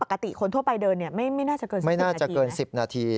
ถ้าปกติคนทั่วไปเดินเนี่ยไม่น่าจะเกินสิบนาที